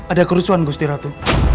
ada kerusuhan gusti ratu